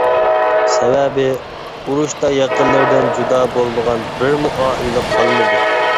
سەۋەبى، ئۇرۇشتا يېقىنلىرىدىن جۇدا بولمىغان بىرمۇ ئائىلە قالمىدى.